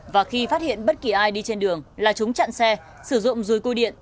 và khi phát hiện bất kỳ ai đi trên đường là chúng chặn xe sử dụng rùi côi điện